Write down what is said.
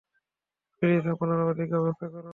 Please, আপনারা ওদিকে অপেক্ষা করুন।